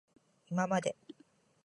いままで